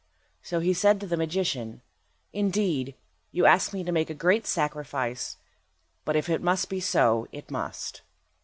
So he said to the magician— "Indeed, you ask me to make a great sacrifice, but if it must be so it must."